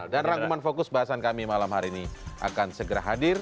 dan rangkuman fokus bahasan kami malam hari ini akan segera hadir